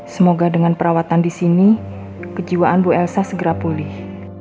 semoga dengan perawatan di sini kejiwaan bu elsa segera pulih